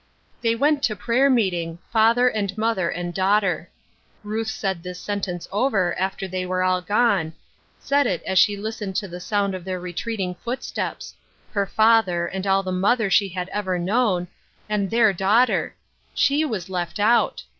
They went to prayer meeting —" father and mother and daughter." Ruth said this sentence over after they were all gone — said it as she listened to the sound of their retreating footsteps — her father, and all the mother she had ever known, and their daughter Seeking Help. 77 She was left out